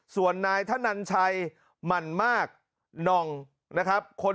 ส่วนนายธนันชัยหมากนอก